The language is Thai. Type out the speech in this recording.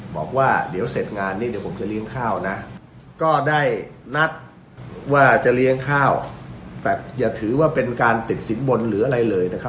บอกว่าเดี๋ยวเสร็จงานนี้เดี๋ยวผมจะเลี้ยงข้าวนะก็ได้นัดว่าจะเลี้ยงข้าวแต่อย่าถือว่าเป็นการติดสินบนหรืออะไรเลยนะครับ